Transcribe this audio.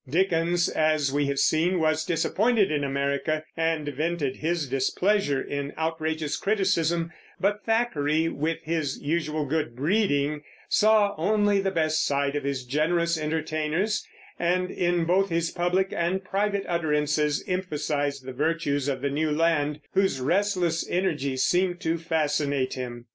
Dickens, as we have seen, was disappointed in America and vented his displeasure in outrageous criticism; but Thackeray, with his usual good breeding, saw only the best side of his generous entertainers, and in both his public and private utterances emphasized the virtues of the new land, whose restless energy seemed to fascinate him.